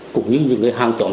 cũng như những người hàng trọng